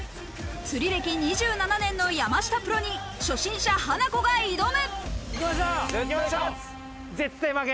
釣り歴２７年の山下プロに、初心者ハナコが挑む。